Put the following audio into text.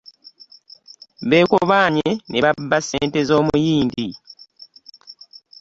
Beekobaanye ne babba ssente zo muyindi.